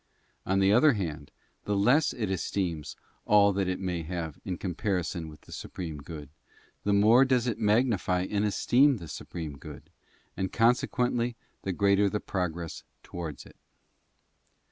On the i other hand, the less it esteems all that it may have in com | parison with the Supreme Good, the more does it magnify and esteem the Supreme Good, and consequently the greater the progress towards it.